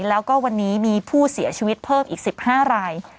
แล้วก็วันนี้มีผู้เสียชีวิตเพิ่มอีก๑๕ราย